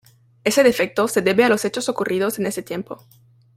Ese defecto se debe a los hechos ocurridos en ese tiempo.